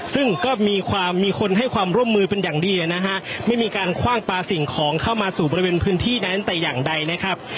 ซึ่งก็มีความมีคนให้ความร่วมมือเป็นอย่างดีนะฮะไม่มีการคว่างปลาสิ่งของเข้ามาสู่บริเวณพื้นที่นั้นแต่อย่างใดนะครับ